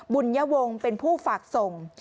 บุญยวงศ์เป็นผู้ฝากส่ง